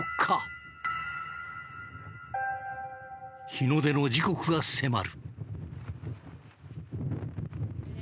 日の出の時刻が迫る。